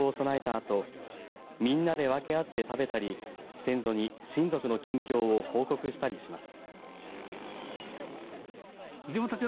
あとみんなで分け合って食べたり先祖に親族の近況を報告したりします。